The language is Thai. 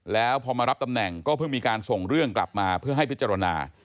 แล้วพอมารับตำแหน่งก็เพิ่งมีการส่งเรื่องกลับมาเพื่อให้พิจารณา